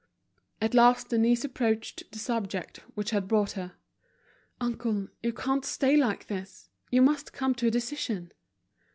At last Denise approached the subject which had brought her. "Uncle, you can't stay like this. You must come to a decision."